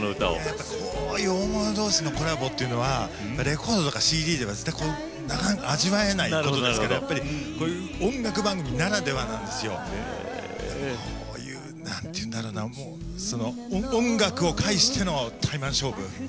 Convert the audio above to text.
こういう大物同士のコラボというのはレコードとかＣＤでは、なかなか味わえないことなんですけど、やっぱり音楽番組ならではなんですよ。何て言うんだろうな音楽を介してのタイマン勝負。